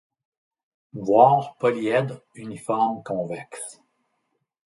Voir polyèdre uniforme convexe.